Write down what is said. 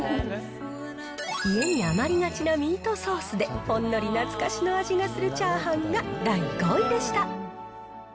家に余りがちなミートソースで、ほんのり懐かしの味がするチャーハンが第５位でした。